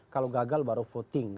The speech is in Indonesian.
kalau gagal baru voting